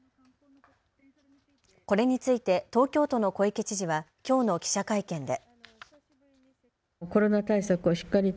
これについて東京都の小池知事はきょうの記者会見で。